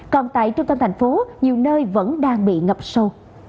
còn tại trung tâm thành phố nhiều nơi vẫn đang bị ngập sâu